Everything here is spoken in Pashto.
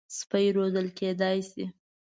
سپي روزل کېدای شي.